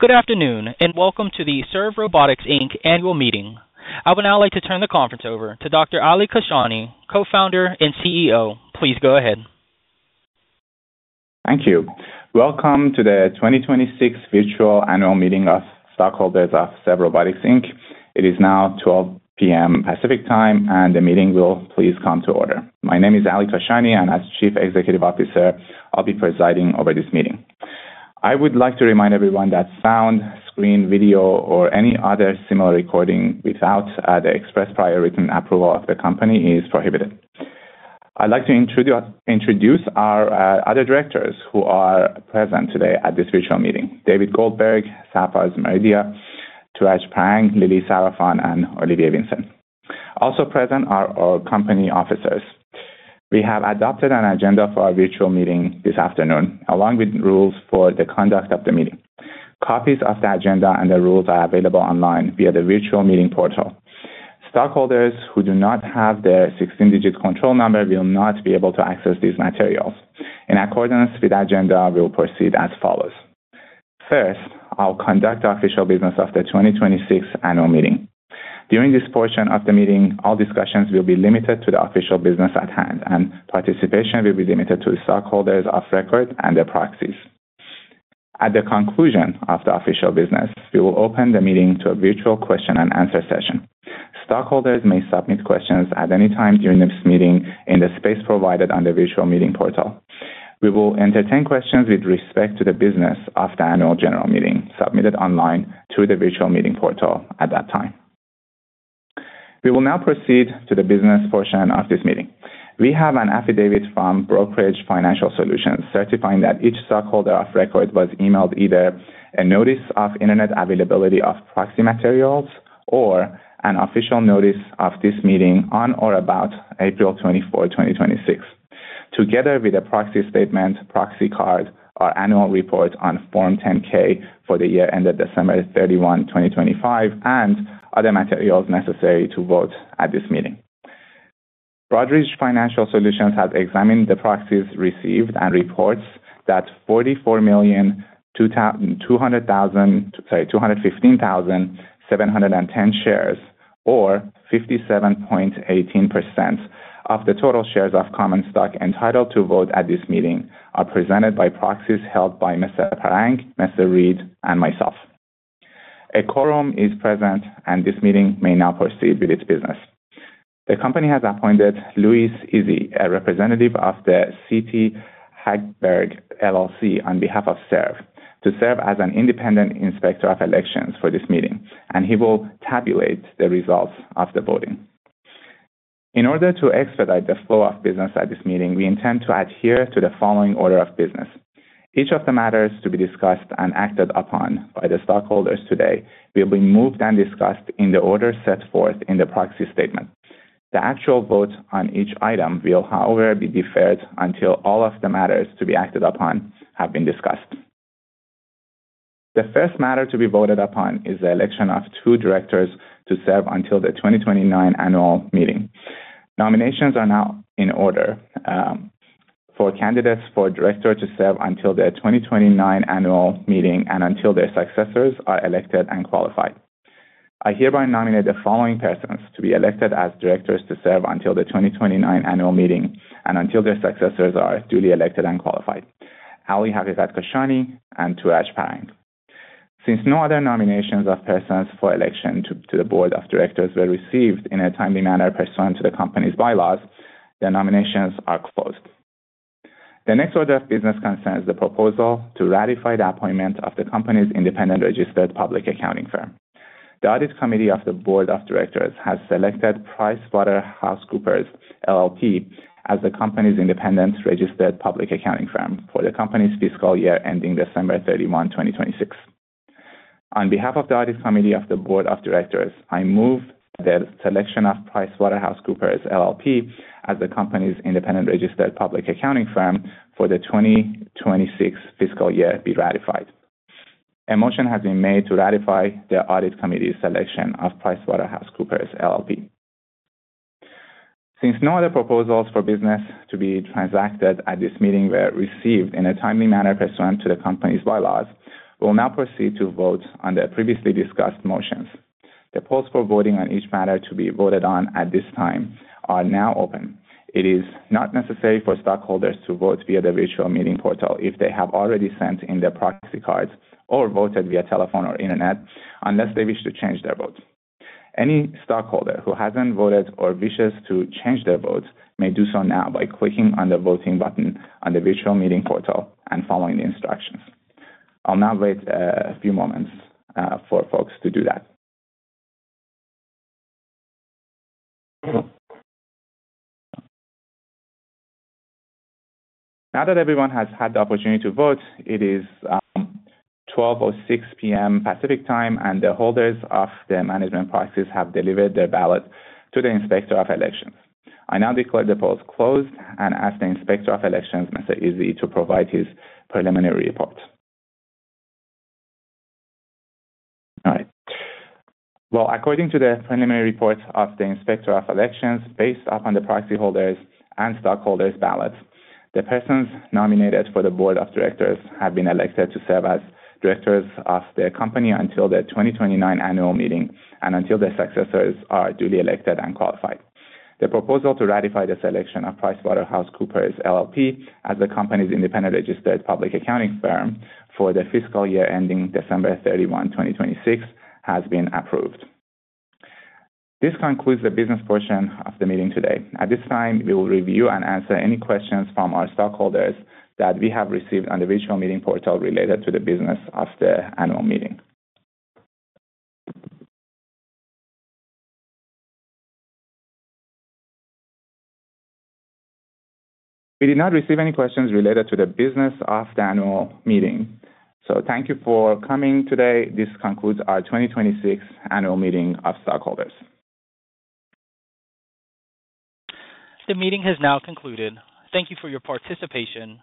Good afternoon, welcome to the Serve Robotics Inc. annual meeting. I would now like to turn the conference over to Dr. Ali Kashani, Co-Founder and Chief Executive Officer. Please go ahead. Thank you. Welcome to the 2026 virtual annual meeting of stockholders of Serve Robotics Inc. It is now 12:00 P.M. Pacific Time, the meeting will please come to order. My name is Ali Kashani, as Chief Executive Officer, I'll be presiding over this meeting. I would like to remind everyone that sound, screen, video, or any other similar recording without the express prior written approval of the company is prohibited. I'd like to introduce our other directors who are present today at this virtual meeting: David Goldberg, Sarfraz Maredia, Touraj Parang, Lily Sarafan, and Olivier Vincent. Also present are our company officers. We have adopted an agenda for our virtual meeting this afternoon, along with rules for the conduct of the meeting. Copies of the agenda and the rules are available online via the virtual meeting portal. Stockholders who do not have their 16-digit control number will not be able to access these materials. In accordance with the agenda, we'll proceed as follows. First, I'll conduct the official business of the 2026 annual meeting. During this portion of the meeting, all discussions will be limited to the official business at hand, participation will be limited to stockholders of record and their proxies. At the conclusion of the official business, we will open the meeting to a virtual question and answer session. Stockholders may submit questions at any time during this meeting in the space provided on the virtual meeting portal. We will entertain questions with respect to the business of the annual general meeting submitted online through the virtual meeting portal at that time. We will now proceed to the business portion of this meeting. We have an affidavit from Broadridge Financial Solutions certifying that each stockholder of record was emailed either a notice of internet availability of proxy materials or an official notice of this meeting on or about April 24, 2026, together with a proxy statement, proxy card, our annual report on Form 10-K for the year ended December 31, 2025, and other materials necessary to vote at this meeting. Broadridge Financial Solutions has examined the proxies received and reports that 44,215,710 shares, or 57.18% of the total shares of common stock entitled to vote at this meeting, are presented by proxies held by Mr. Parang, Brian Read, and myself. A quorum is present, this meeting may now proceed with its business. The company has appointed Louis Izzi, a representative of the CT Hagberg LLC, on behalf of Serve to serve as an independent inspector of elections for this meeting, and he will tabulate the results of the voting. In order to expedite the flow of business at this meeting, we intend to adhere to the following order of business. Each of the matters to be discussed and acted upon by the stockholders today will be moved and discussed in the order set forth in the proxy statement. The actual vote on each item will, however, be deferred until all of the matters to be acted upon have been discussed. The first matter to be voted upon is the election of two directors to serve until the 2029 annual meeting. Nominations are now in order for candidates for director to serve until the 2029 annual meeting and until their successors are elected and qualified. I hereby nominate the following persons to be elected as directors to serve until the 2029 annual meeting and until their successors are duly elected and qualified: Ali Kashani and Touraj Parang. Since no other nominations of persons for election to the board of directors were received in a timely manner pursuant to the company's bylaws, the nominations are closed. The next order of business concerns the proposal to ratify the appointment of the company's independent registered public accounting firm. The audit committee of the board of directors has selected PricewaterhouseCoopers LLP as the company's independent registered public accounting firm for the company's fiscal year ending December 31, 2026. On behalf of the audit committee of the board of directors, I move the selection of PricewaterhouseCoopers LLP as the company's independent registered public accounting firm for the 2026 fiscal year be ratified. A motion has been made to ratify the audit committee's selection of PricewaterhouseCoopers LLP. Since no other proposals for business to be transacted at this meeting were received in a timely manner pursuant to the company's bylaws, we will now proceed to vote on the previously discussed motions. The polls for voting on each matter to be voted on at this time are now open. It is not necessary for stockholders to vote via the virtual meeting portal if they have already sent in their proxy cards or voted via telephone or internet unless they wish to change their vote. Any stockholder who hasn't voted or wishes to change their vote may do so now by clicking on the voting button on the virtual meeting portal and following the instructions. I'll now wait a few moments for folks to do that. Now that everyone has had the opportunity to vote, it is 12:06 P.M. Pacific Time, and the holders of the management proxies have delivered their ballot to the Inspector of Elections. I now declare the polls closed and ask the Inspector of Elections, Mr. Izzi, to provide his preliminary report. All right. Well, according to the preliminary report of the Inspector of Elections, based upon the proxy holders' and stockholders' ballots, the persons nominated for the board of directors have been elected to serve as directors of the company until the 2029 annual meeting and until their successors are duly elected and qualified. The proposal to ratify the selection of PricewaterhouseCoopers LLP as the company's independent registered public accounting firm for the fiscal year ending December 31, 2026, has been approved. This concludes the business portion of the meeting today. At this time, we will review and answer any questions from our stockholders that we have received on the virtual meeting portal related to the business of the annual meeting. We did not receive any questions related to the business of the annual meeting. Thank you for coming today. This concludes our 2026 annual meeting of stockholders. The meeting has now concluded. Thank you for your participation.